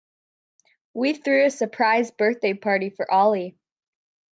We threw a surprise birthday party for Ali.